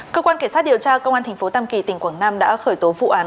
cơ quan cảnh sát điều tra công an tp tam kỳ tỉnh quảng nam đã khởi tố vụ án